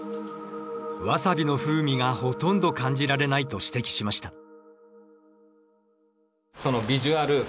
ワサビの風味がほとんど感じられないと指摘しました。